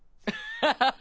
ハハハ。